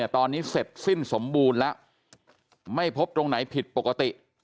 ตอนนี้เสร็จสิ้นสมบูรณ์แล้วไม่พบตรงไหนผิดปกติ